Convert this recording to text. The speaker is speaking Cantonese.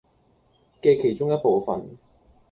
嘅其中一部分